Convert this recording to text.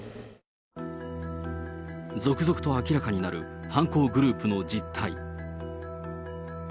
続々と明らかになる犯行グループの実態。